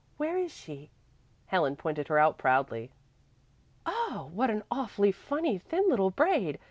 Where is she?" Helen pointed her out proudly. "Oh, what an awfully funny, thin little braid!